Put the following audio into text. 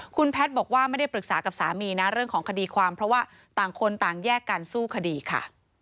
คุณแพทย์บอกว่าไม่ได้ปรึกษากับสามีนะเรื่องของคดีความเพราะว่าต่างคนต่างแยกกันสู้คดีค่ะ